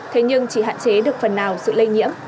thế nhưng chỉ hạn chế được phần nào sự lây nhiễm